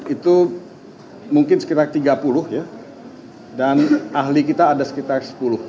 itu mungkin sekitar tiga puluh ya dan ahli kita ada sekitar sepuluh